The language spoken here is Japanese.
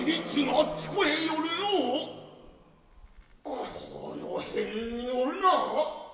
この辺におるな。